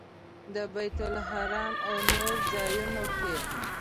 د بیت الله حرم او نورو ځایونو کې.